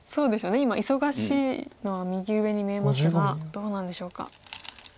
今忙しいのは右上に見えますがどうなんでしょうか。